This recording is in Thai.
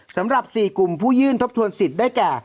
สำหรับ๔กลุ่มผู้ยื่นทบทวนสิทธิ์ได้แก่